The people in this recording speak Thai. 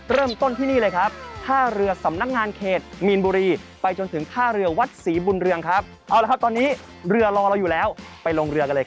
เริ่มต้นที่นี่เลยครับ๕เหลือสำนักงานเกรดมีนบุรีไปจนถึงท่าเรือวัด